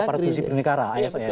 komisi aparatur sipil negara